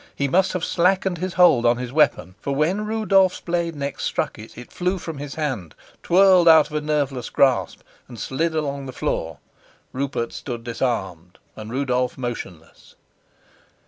He must have slackened his hold on his weapon, for when Rudolf's blade next struck it, it flew from his hand, twirled out of a nerveless grasp, and slid along the floor. Rupert stood disarmed, and Rudolf motionless.